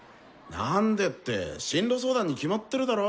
なんでって進路相談に決まってるだろ。